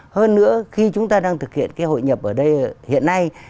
hơn nữa khi chúng ta đang thực hiện cái hội nhập ở đây hiện nay